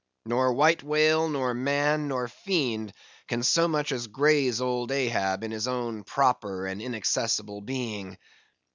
Nor white whale, nor man, nor fiend, can so much as graze old Ahab in his own proper and inaccessible being.